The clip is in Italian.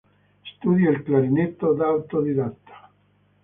Studia il clarinetto da autodidatta.